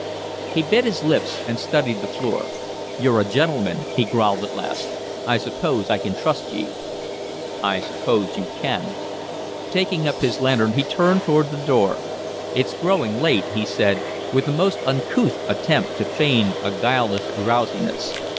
He bit his lips and studied the floor. "You're a gentleman," he growled at last. "I suppose I can trust ye." "I suppose you can." Taking up his lantern he turned toward the door. "It 's growing late," he said, with a most uncouth attempt to feign a guileless drowsiness.